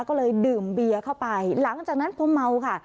ก็เลยดื่มเบียเข้าไปหลังจากนั้นพอเมาค่ะ